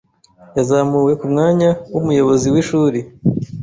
Yazamuwe ku mwanya w'umuyobozi w'ishuri.